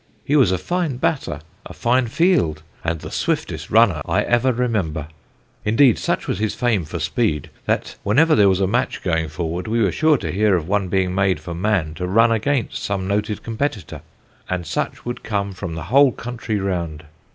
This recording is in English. He was a fine batter, a fine field, and the swiftest runner I ever remember: indeed, such was his fame for speed, that whenever there was a match going forward, we were sure to hear of one being made for Mann to run against some noted competitor; and such would come from the whole country round.